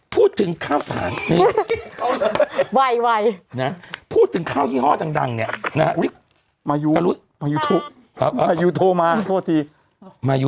พูดถึงข้าวยี่ห้อดังเนี่ย